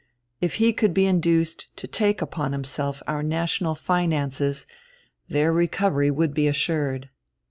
It he could be induced to take upon himself our national finances, their recovery would be assured.